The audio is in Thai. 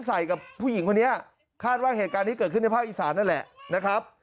กับผู้หญิงคนนี้คาดว่าเหตุการณ์นี้เกิดขึ้นในภาคอีสานนั่นแหละนะครับ